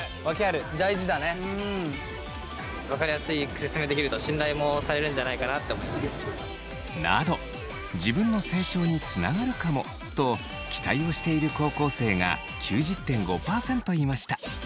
大事だね。など自分の成長につながるかもと期待をしている高校生が９０．５％いました。